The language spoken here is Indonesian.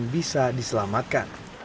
korban bisa diselamatkan